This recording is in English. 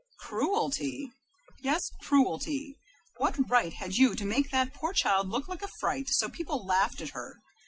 "Cruelty?" "Yes, cruelty. What right had you to make that poor child look like a fright, so people laughed at her?